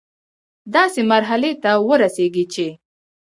داسي مرحلې ته ورسيږي چي